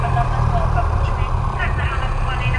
کتاب د انسان د شخصيت په جوړولو کي مهم رول لري او اغېز کوي.